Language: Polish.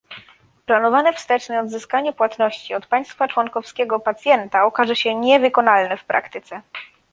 Planowane wsteczne odzyskanie płatności od państwa członkowskiego pacjenta okaże się niewykonalne w praktyce